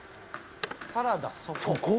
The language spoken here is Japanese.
サラダそこ？